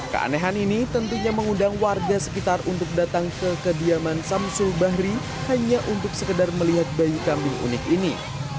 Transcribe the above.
keanehan ini tentunya mengundang warga sekitar untuk datang ke kediaman samsul bahri hanya untuk sekedar melihat bayi kambing unik ini